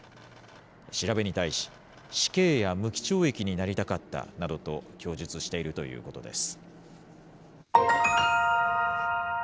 調べに対し、死刑や無期懲役になりたかったなどと供述しているということです。